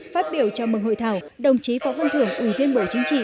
phát biểu chào mừng hội thảo đồng chí phó văn thưởng uyên viên bộ chính trị